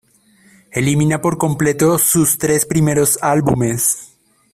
Elimina por completo sus tres primeros álbumes.